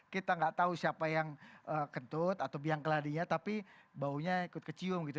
kita nggak tahu siapa yang kentut atau biang keladinya tapi baunya ikut kecium gitu